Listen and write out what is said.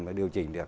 để điều chỉnh được